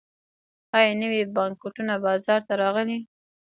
آیا نوي بانکنوټونه بازار ته راغلي؟